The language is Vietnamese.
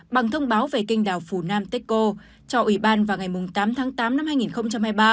bằng thông báo về canh đảo funanteko cho ủy ban vào ngày tám tháng tám năm hai nghìn hai mươi ba